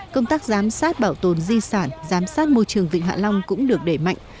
công tác giám sát bảo tồn di sản giám sát môi trường vịnh hạ long cũng được đẩy mạnh